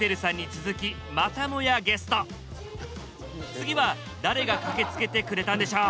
次は誰が駆けつけてくれたんでしょう？